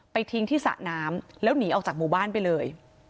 ทิ้งที่สระน้ำแล้วหนีออกจากหมู่บ้านไปเลย